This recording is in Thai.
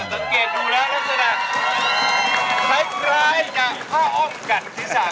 ผมก็นั่งไปขึ้น